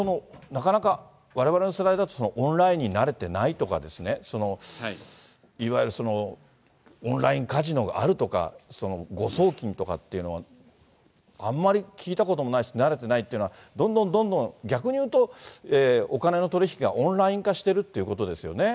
なかなかわれわれの世代だとオンラインに慣れてないとかですね、いわゆるオンラインカジノがあるとか、誤送金とかっていうのは、あんまり聞いたこともないし、慣れてないっていうのは、どんどんどんどん逆に言うと、お金の取り引きがオンライン化してるってことですよね。